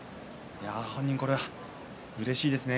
本人は、うれしいですね。